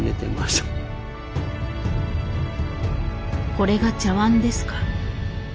「これが茶碗ですか」。